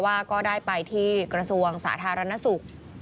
ก็ได้ไปที่กระทรวงสาธารณสุข